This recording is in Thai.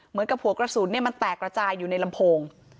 เหมือนกับหัวกระสุนมันแตกระจายอยู่ในลำโพง